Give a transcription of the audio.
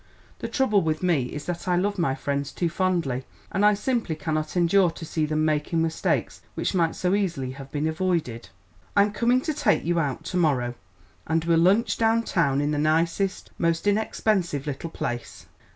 The trouble with me is that I love my friends too fondly, and I simply cannot endure to see them making mistakes which might so easily have been avoided. I'm coming to take you out to morrow, and we'll lunch down town in the nicest, most inexpensive little place.